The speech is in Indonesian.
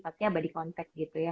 si atletnya body contact gitu ya